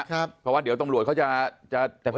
เพราะว่าเดี๋ยวตำรวจเขาจะ